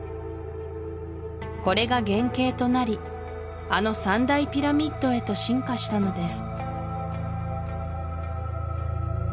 これが原型となりあの３大ピラミッドへと進化したのです